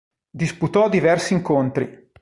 Disputò diversi incontri.